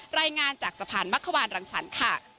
รายงานจากสะพานมักขวานรังสรรค์ค่ะ